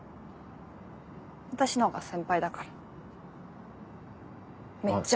私のほうが先輩だからめっちゃ。